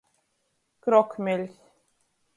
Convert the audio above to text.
Krokmeļs.